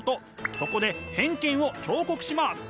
そこで偏見を彫刻します！